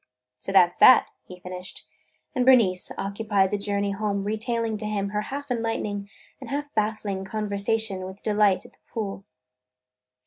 "So that 's that!" he finished, and Bernice occupied the journey home retailing to him her half enlightening and half baffling conversation with Delight at the pool.